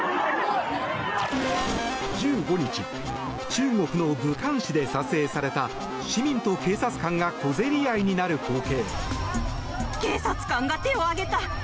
１５日中国の武漢市で撮影された市民と警察官が小競り合いになる光景。